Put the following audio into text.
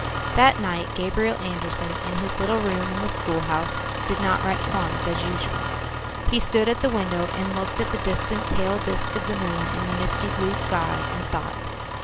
That night Gabriel Andersen in his little room in the schoolhouse did not write poems as usual. He stood at the window and looked at the distant pale disk of the moon in the misty blue sky, and thought.